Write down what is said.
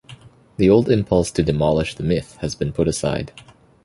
The old impulse to demolish the myth has been put aside.